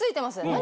何？